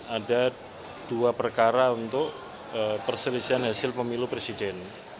ada dua perkara untuk perselisihan hasil pemilu presiden